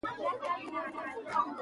ملاله به تل یاده سي.